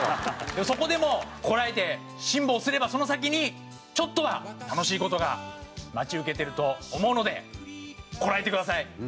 でもそこでもこらえて辛抱すればその先にちょっとは楽しい事が待ち受けてると思うのでこらえてください！